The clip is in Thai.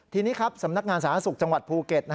ทีนี้ครับสำนักงานสาธารณสุขจังหวัดภูเก็ต